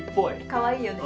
かわいいよね？